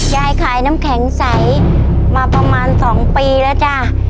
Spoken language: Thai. ยายขายน้ำแข็งใสมาประมาณ๒ปีแล้วจ้ะ